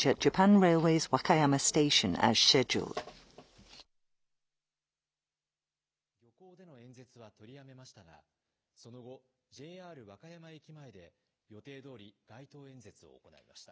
岸田総理大臣は、漁港での演説は取りやめましたが、その後、ＪＲ和歌山駅前で、予定どおり街頭演説を行いました。